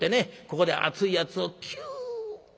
ここで熱いやつをキュッ。